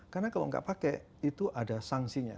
karena kalau nggak pakai itu ada sangsinya